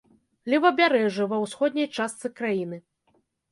Левабярэжжы, ва ўсходняй частцы краіны.